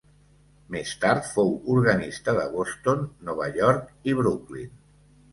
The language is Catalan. Més tard fou organista de Boston, Nova York i Brooklyn.